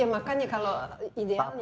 ya makanya kalau idealnya kan